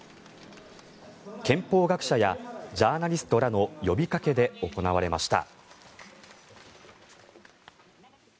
憲法学者やジャーナリストらの呼びかけで行われました。